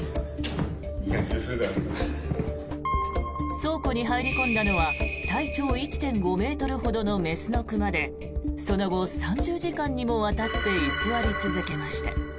倉庫に入り込んだのは体長１．５ｍほどの雌の熊でその後、３０時間にもわたって居座り続けました。